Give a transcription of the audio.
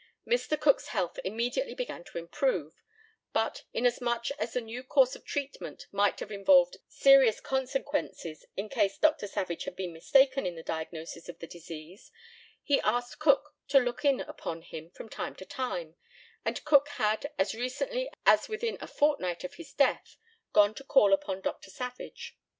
Mr. Cook's health immediately began to improve; but, inasmuch as the new course of treatment might have involved serious consequences in case Dr. Savage had been mistaken in the diagnosis of the disease, he asked Cook to look in upon him from time to time, and Cook had, as recently as within a fortnight of his death, gone to call upon Dr. Savage.